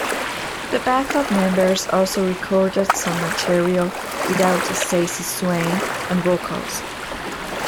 The backup members also recorded some material without Stacey Swain on vocals.